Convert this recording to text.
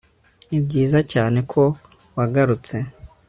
nibyiza cyane ko wagarutse